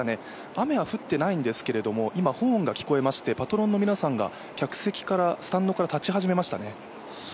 雨は降ってないんですけれども今、ホーンが聞こえましてパトロンの皆さんが客席から、スタンドから立ち始めましたね。